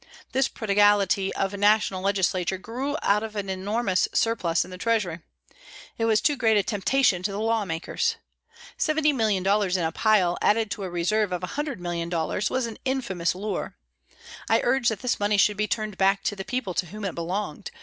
This prodigality of the National Legislature grew out of an enormous surplus in the Treasury. It was too great a temptation to the law makers. $70,000,000 in a pile added to a reserve of $100,000,000 was an infamous lure. I urged that this money should be turned back to the people to whom it belonged.